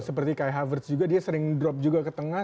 seperti kayak havers juga dia sering drop juga ke tengah